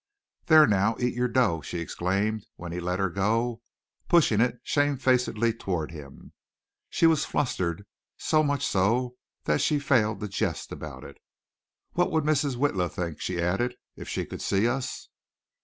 "There now, eat your dough," she exclaimed when he let her go, pushing it shamefacedly toward him. She was flustered so much so that she failed to jest about it. "What would Mrs. Witla think," she added, "if she could see us?"